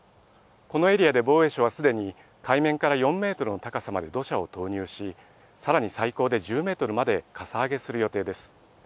このエリアで防衛省はすでに、海面から４メートルの高さまで土砂を投入し、さらに最高で１０メートルまでかさ上げする予定です。